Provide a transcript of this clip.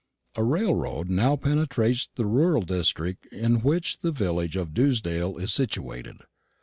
A railroad now penetrates the rural district in which the village of Dewsdale is situated.